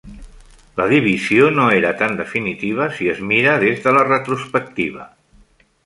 La divisió no era tan definitiva si es mira des de la retrospectiva.